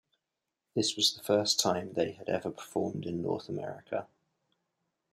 This was the first time they have ever performed in North America.